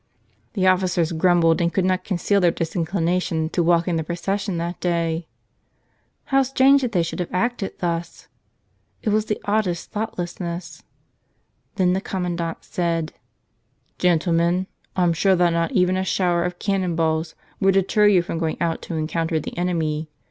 The officers grumbled and could not conceal their disinclination to walk in the procession that day. How strange that they should have acted thus ! It was the oddest thoughtlessness. Then the comman¬ dant said: "Gentlemen, I'm sure that not even a shower of cannon balls would deter you from going out to en¬ counter the enemy.